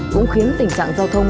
cũng khiến tình trạng giao thông